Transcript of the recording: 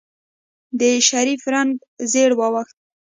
د شريف رنګ زېړ واوښت.